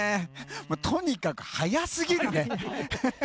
とにかく速すぎるね。